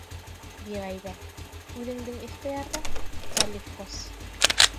— Биғәйбә, үҙендең ихтыярҙа, Цалевкос.